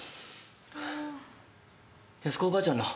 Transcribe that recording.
八寿子おばあちゃんの？